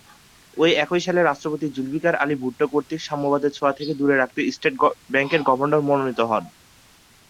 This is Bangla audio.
ঐ একই সালে রাষ্ট্রপতি জুলফিকার আলী ভুট্টো কর্তৃক সাম্যবাদের ছোঁয়া থেকে দূরে রাখতে স্টেট ব্যাংকের গভর্নর মনোনীত হন।